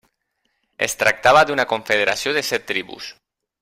Es tractava d'una confederació de set tribus.